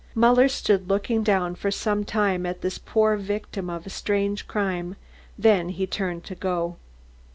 Muller stood looking down for some time at this poor victim of a strange crime, then he turned to go.